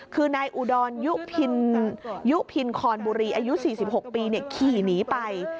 คือนายอุดรยุพินยุพินคอนบุรีอายุ๔๖ปีขี่หนีไป